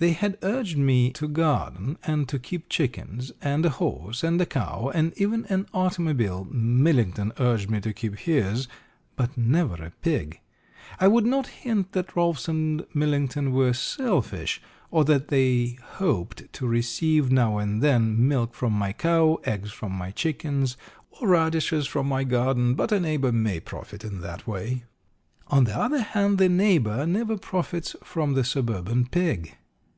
They had urged me to garden, and to keep chickens, and a horse, and a cow, and even an automobile Millington urged me to keep his but never a pig! I would not hint that Rolfs and Millington were selfish, or that they hoped to receive, now and then, milk from my cow, eggs from my chickens, or radishes from my garden, but a neighbour may profit in that way. On the other hand, the neighbour never profits from the suburban pig.